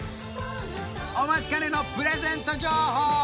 お待ちかねのプレゼント情報